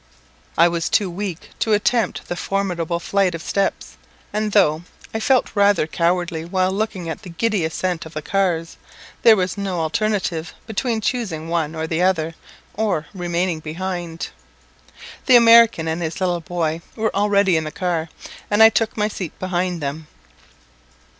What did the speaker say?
I was too weak to attempt the formidable flight of steps; and though I felt rather cowardly while looking at the giddy ascent of the cars, there was no alternative between choosing one or the other, or remaining behind. The American and his little boy were already in the car, and I took my seat behind them.